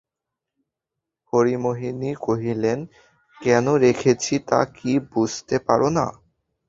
হরিমোহিনী কহিলেন, কেন রেখেছি তা কি বুঝতে পার না?